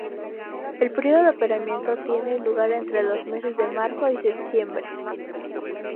El periodo de apareamiento tiene lugar entre los meses de marzo y septiembre.